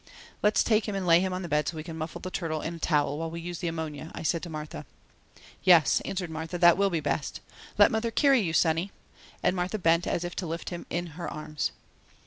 "Let's take him and lay him on the bed so we can muffle the turtle in a towel while we use the ammonia," I said to Martha. "Yes," answered Martha, "that will be best. Let mother carry you, sonny!" and Martha bent as if to lift him in her arms.